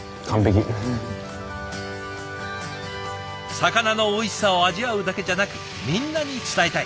魚のおいしさを味わうだけじゃなくみんなに伝えたい。